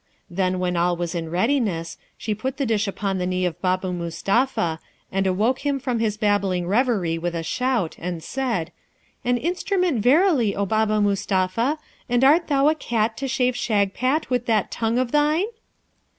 Then when all was in readiness, she put the dish upon the knee of Baba Mustapha, and awoke him from his babbling reverie with a shout, and said, 'An instrument verily, O Baba Mustapha! and art thou a cat to shave Shagpat with that tongue of thine?'